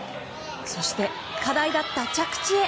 そして、課題だった着地へ。